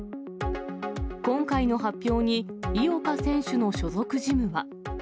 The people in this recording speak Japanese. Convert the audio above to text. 今回の発表に井岡選手の所属ジムは。